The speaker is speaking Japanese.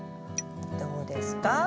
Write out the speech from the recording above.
どうですか？